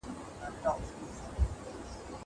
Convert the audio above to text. زه به زدکړه کړې وي.